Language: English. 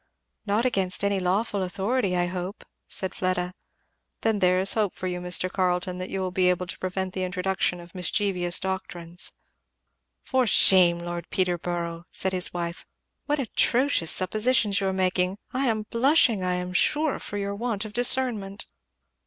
"Not against any lawful authority, I hope," said Fleda. "Then there is hope for you, Mr. Carleton, that you will be able to prevent the introduction of mischievous doctrines." "For shame, Lord Peterborough!" said his wife, "what atrocious suppositions you are making. I am blushing, I am sure, for your want of discernment."